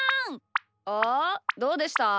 おおどうでした？